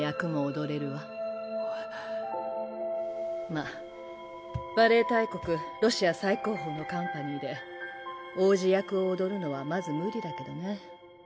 まあバレエ大国ロシア最高峰のカンパニーで王子役を踊るのはまず無理だけどね。